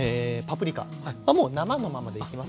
もう生のままでいきます。